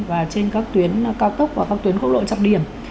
và trên các tuyến cao tốc và các tuyến quốc lộ trọng điểm